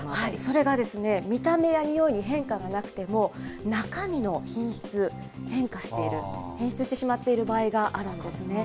それがですね、見た目やにおいに変化がなくても、中身の品質、変化している、変質してしまっている場合があるんですね。